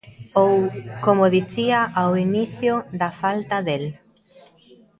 Ou, como dicía ao inicio, da falta del.